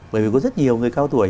bởi vì có rất nhiều người cao tuổi